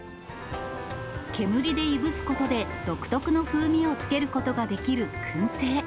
煙でいぶすことで、独特の風味をつけることができるくん製。